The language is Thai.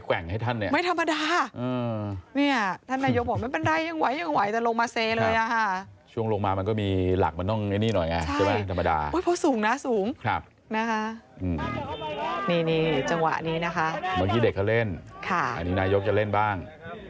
อันนี้นายกกจะเล่นบ้าง